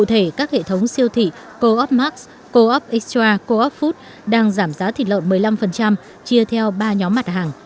hệ thống siêu thị co op max co op extra co op food đang giảm giá thịt lợn một mươi năm chia theo ba nhóm mặt hàng